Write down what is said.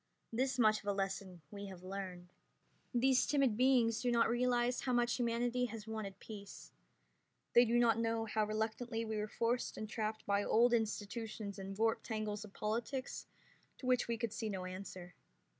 This much of a lesson we have learned. These timid beings do not realize how much humanity has wanted peace. They do not know how reluctantly we were forced and trapped by old institutions and warped tangles of politics to which we could see no answer.